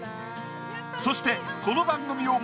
そしてこの番組を